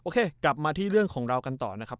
กลับมาที่เรื่องของเรากันต่อนะครับ